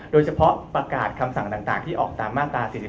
ประกาศคำสั่งต่างที่ออกตามมาตรา๔๔